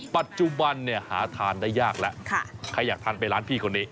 ปัจจุบันเนี่ยหาทานได้ยากแล้วใครอยากทานไปร้านพี่คนนี้